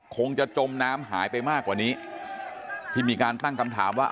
คงจะจมน้ำหายไปมากกว่านี้ที่มีการตั้งคำถามว่า